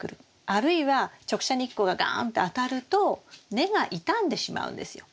あるいは直射日光がガーンって当たると根が傷んでしまうんですよ。